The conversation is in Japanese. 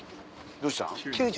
どうしたん？